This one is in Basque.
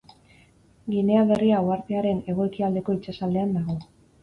Ginea Berria uhartearen hego-ekialdeko itsasaldean dago.